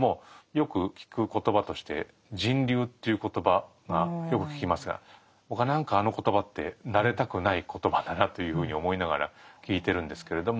よく聞く言葉として「人流」という言葉がよく聞きますが僕は何かあの言葉って慣れたくない言葉だなというふうに思いながら聞いてるんですけれども。